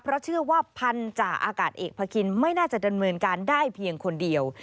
เพราะเชื่อว่าพันธาอากาศเอกพระคินไม่น่าจะดำเนินการได้เพียงคนเดียว